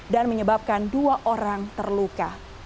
dan menyebabkan dua orang terluka